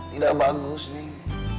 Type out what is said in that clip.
tidak bagus neng